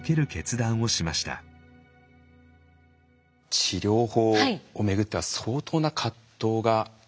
治療法を巡っては相当な葛藤があったんですね。